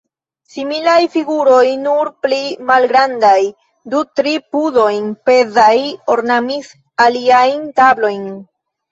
Similaj figuroj, nur pli malgrandaj, du-tri pudojn pezaj, ornamis aliajn tablojn.